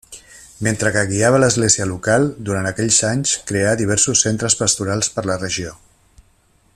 Mentre que guiava l'església local durant aquells anys creà diversos centres pastorals per la regió.